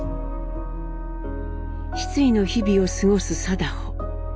失意の日々を過ごす禎穗。